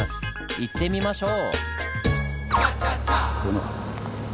行ってみましょう！